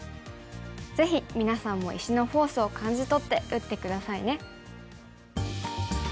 ぜひ皆さんも石のフォースを感じとって打って下さいね。